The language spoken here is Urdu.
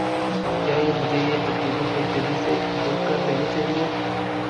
کیا مجھے یہ تبدیلی خوش دلی سے قبول کر لینی چاہیے؟